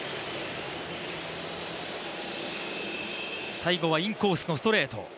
最後はインコースのストレート